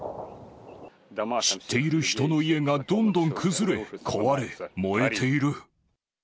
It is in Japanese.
知っている人の家がどんどん崩れ、壊れ、燃えている。